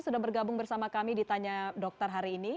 sudah bergabung bersama kami di tanya dokter hari ini